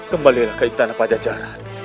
kembalilah ke istana pajajaran